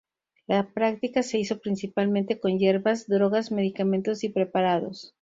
La práctica se hizo principalmente con hierbas, drogas, medicamentos y preparados.